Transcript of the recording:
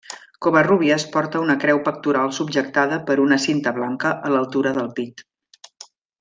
Covarrubias porta una creu pectoral subjectada per una cinta blanca a l'altura del pit.